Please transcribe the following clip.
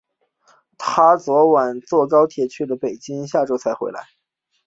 她昨晚坐高铁去了北京，下周才回来。